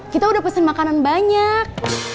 kita udah pesen makanan banyak